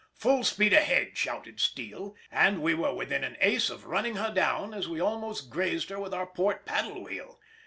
"Full speed ahead," shouted Steele, and we were within an ace of running her down as we almost grazed her with our port paddle wheel.